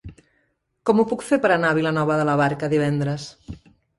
Com ho puc fer per anar a Vilanova de la Barca divendres?